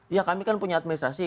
ya kami kan punya administrasi